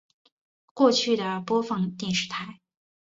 过去的播放电视台